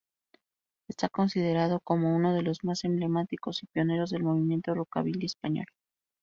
Está considerado como uno de los más emblemáticos y pioneros del movimiento rockabilly español.